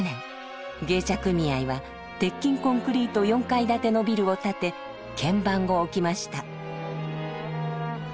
芸者組合は鉄筋コンクリート４階建てのビルを建て見番を置きました。